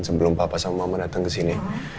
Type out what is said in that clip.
sebelum papa sama mama datang kesini